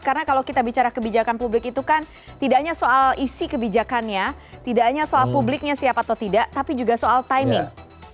karena kalau kita bicara kebijakan publik itu kan tidak hanya soal isi kebijakannya tidak hanya soal publiknya siapa atau tidak tapi juga soal timing